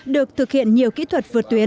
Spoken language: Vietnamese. được thực hiện nhiều kỹ thuật